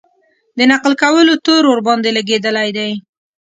د نقل کولو تور ورباندې لګېدلی دی.